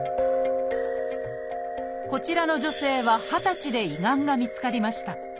こちらの女性は二十歳で胃がんが見つかりました。